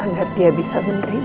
agar dia bisa menerima